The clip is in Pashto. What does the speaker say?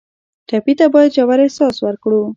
ټپي ته باید ژور احساس ورکړو.